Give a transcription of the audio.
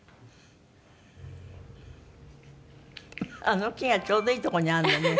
あの木がちょうどいい所にあるのね。